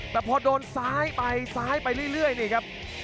แต่พอโดนซ้ายไปซ้ายไปเรื่อยนี่ครับ